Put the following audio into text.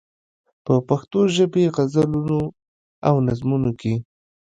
په پښتو ژبې غزلونو او نظمونو کې.